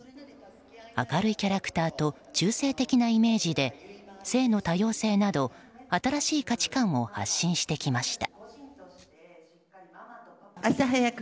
明るいキャラクターと中性的なイメージで性の多様性など新しい価値観を発信してきました。